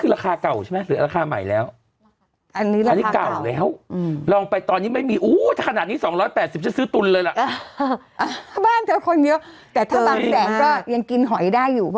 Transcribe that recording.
แบบปุ๊กปลาพูกอะไรแบบนี้